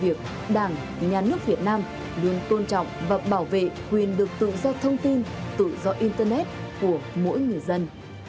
việc sống đồng cho việc đảng nhà nước việt nam luôn tôn trọng và bảo vệ quyền được tự do thông tin tự do internet của mỗi người dân